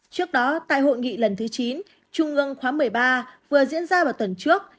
trước đó tại hội nghị lần thứ chín trung ương khóa một mươi ba vừa diễn ra vào tuần trước